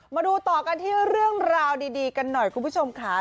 มาดูต่อกันที่เรื่องราวดีกันหน่อยคุณผู้ชมค่ะ